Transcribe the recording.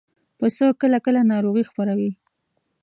پسه کله کله ناروغي خپروي.